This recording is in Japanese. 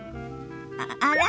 あら？